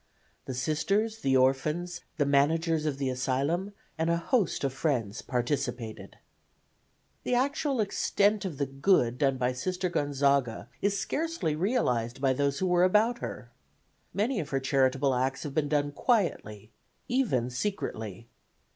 The Sisters, the orphans, the managers of the asylum and a host of friends participated. The actual extent of the good done by Sister Gonzaga is scarcely realized by those who were about her. Many of her charitable acts have been done quietly, even secretly.